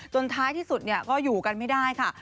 ท้ายที่สุดก็อยู่กันไม่ได้ค่ะ